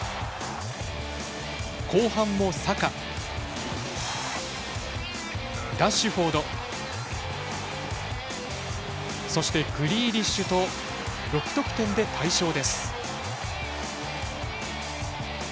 後半もサカ、ラッシュフォードそして、グリーリッシュと６得点で大勝です。